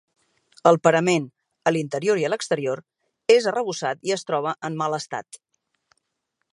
El parament, a l'interior i a l'exterior, és arrebossat i es troba en mal estat.